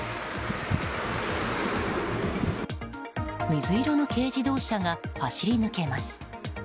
水色の軽自動車が走り抜けます。